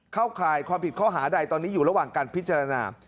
เข้าข่ายความผิดข้อหาใดตอนนี้อยู่ระหว่างการพิจารณา